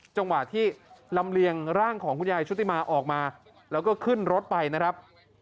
จังหวะที่ลำเลียงร่างของคุณยายชุติมาออกมาแล้วก็ขึ้นรถไปนะครับ